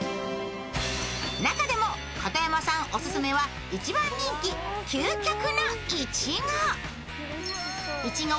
中でも片山さんオススメは一番人気、究極のいちご。